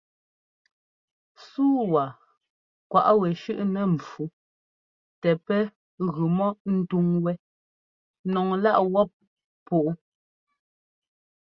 Súu wa kwaꞌ wɛ shʉ́ꞌnɛ ḿpfú tɛ pɛ́ gʉ mɔ ńtúŋ wɛ́ nɔŋláꞌ wɔp púꞌu.